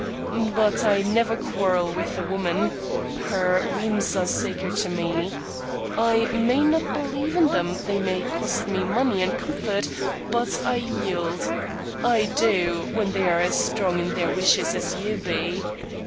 "But I never quarrel with a woman. Her whims are sacred to me. I may not believe in them; they may cost me money and comfort; but I yield, I do, when they are as strong in their wishes as you be.